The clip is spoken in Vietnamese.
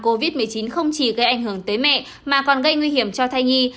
covid một mươi chín không chỉ gây ảnh hưởng tới mẹ mà còn gây nguy hiểm cho thai nhi